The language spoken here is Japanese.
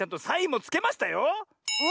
サインもつけましたよ。